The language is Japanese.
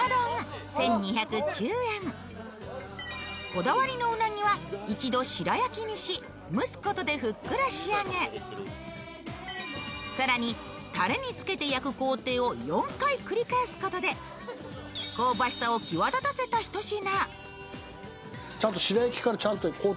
こだわりのうなぎは一度白焼きにし、蒸すことでふっくら仕上げ、更にたれにつけて焼く工程を４回繰り返すことで香ばしさを際立たせたひと品。